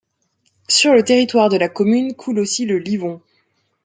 Sur le territoire de la commune coule aussi le Livon.